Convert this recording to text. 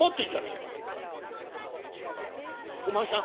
「あらお前さん